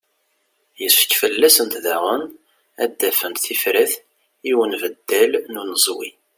Yessefk fell-asent daɣen ad d-afent tifrat i unbeddal n unezwi.